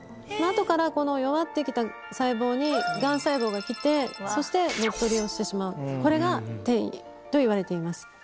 あとからこの弱ってきた細胞にがん細胞が来て、そして乗っ取りをしてしまう、これが転移といわれています。